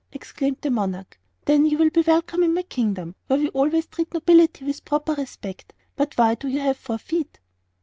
exclaimed the monarch; "then you will be welcome in my kingdom, where we always treat nobility with proper respect. But why do you have four feet?"